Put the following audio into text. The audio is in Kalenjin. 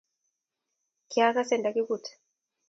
Kyagaase ndakibut